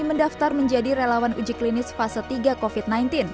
mendaftar menjadi relawan uji klinis fase tiga covid sembilan belas